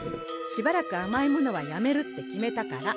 しばらくあまいものはやめるって決めたから。